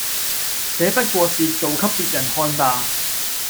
這不過是做給別人看吧！